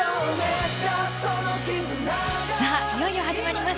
いよいよ始まります